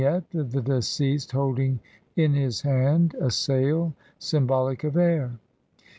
] Vignette : The deceased holding in his hand a sail symbolic of air.